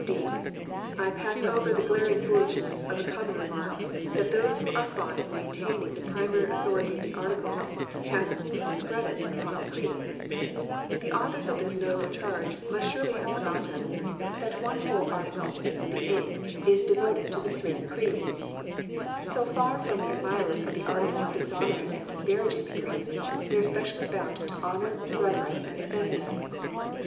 (d) I pass over the glaring foolishness of the common remark, that those who are fond of maintaining the primary authority of the Articles cast discredit upon the Creeds. The authors of this notable charge must surely have forgotten that one whole THE THIRTY NINE ARTICLES. 71 Article the eighth is devoted to the three Creeds ! So far from the admirers of the Articles dishonouring and disparaging the Creeds, they are specially bound to honour, reverence, and defend them.